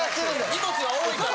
荷物が多いから。